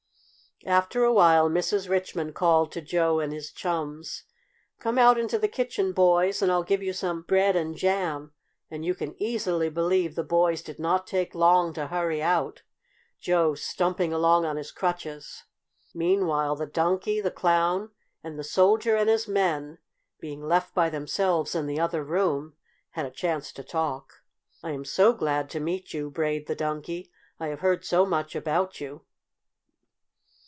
After a while Mrs. Richmond called to Joe and his chums: "Come out into the kitchen, boys, and I'll give you some bread and jam," and you can easily believe the boys did not take long to hurry out, Joe stumping along on his crutches. Meanwhile the Donkey, the Clown, and the Soldier and his men, being left by themselves in the other room, had a chance to talk. "I am so glad to meet you," brayed the Donkey. "I have heard so much about you."